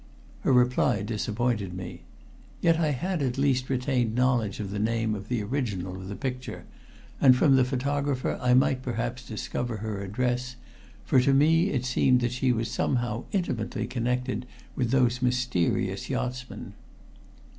Her reply disappointed me. Yet I had, at least, retained knowledge of the name of the original of the picture, and from the photographer I might perhaps discover her address, for to me it seemed that she was somehow intimately connected with those mysterious yachtsmen.